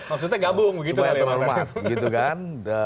maksudnya gabung begitu kan ya